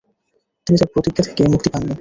তিনি তার প্রতিজ্ঞা থেকে মুক্তি পাননি।